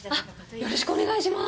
よろしくお願いします。